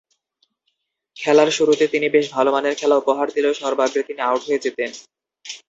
খেলার শুরুতে তিনি বেশ ভালোমানের খেলা উপহার দিলেও সর্বাগ্রে তিনি আউট হয়ে যেতেন।